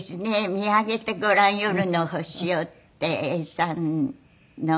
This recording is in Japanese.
『見上げてごらん夜の星を』って永さんの歌。